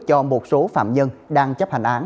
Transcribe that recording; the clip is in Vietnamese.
cho một số phạm nhân đang chấp hành án